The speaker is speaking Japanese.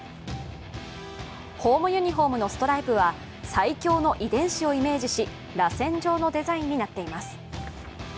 ホームユニフォームのストライプは最強の遺伝子をイメージし、らせん状のデザインになっています。